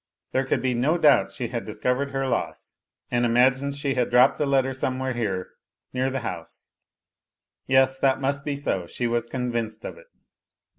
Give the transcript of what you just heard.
There could be no doubt she had discovered her loss and imagined she had dropped the letter somewhere here, near the house yes, that must be so, she was convinced of it.